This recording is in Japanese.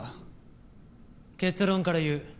結論から言う。